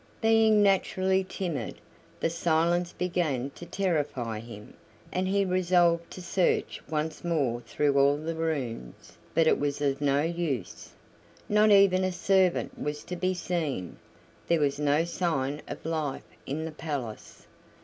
Being naturally timid, the silence began to terrify him, and he resolved to search once more through all the rooms; but it was of no use. Not even a servant was to be seen; there was no sign of life in the palace!